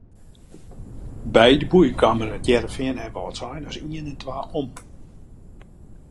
By de boei kamen Hearrenfean en Wâldsein as ien en twa om.